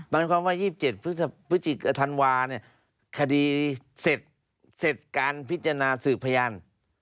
หมายความว่า๒๗ฤศจิกาธันวาคดีเสร็จการพิจารณาสืบพยาน